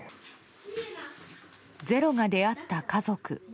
「ｚｅｒｏ」が出会った家族。